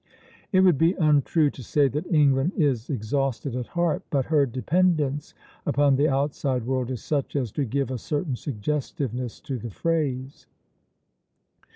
" It would be untrue to say that England is exhausted at heart; but her dependence upon the outside world is such as to give a certain suggestiveness to the phrase.